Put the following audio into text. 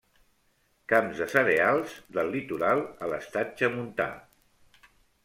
Camps de cereals, del litoral a l'estatge montà.